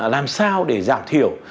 làm sao để giảm thiểu